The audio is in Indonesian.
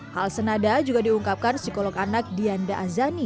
hal senada juga diungkapkan psikolog anak dianda azani